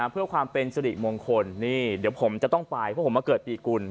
เพื่อความเป็นสิริมงคลนี่เดี๋ยวผมจะต้องไปเพราะผมมาเกิดปีกุล